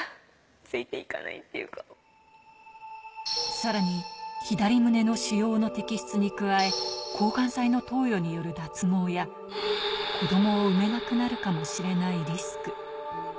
さらに左胸の腫瘍の摘出に加え、抗がん剤の投与による脱毛や、子供を産めなくなるかもしれないリスク。